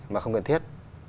mà không cần thiết